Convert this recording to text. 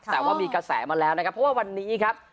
แต่ว่ามีลอยแสงมาแล้วเพราะว่าวันนี้ครับ